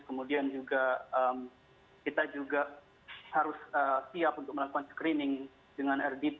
kemudian juga kita juga harus siap untuk melakukan screening dengan rdp